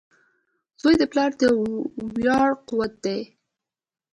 • زوی د پلار د ویاړ قوت وي.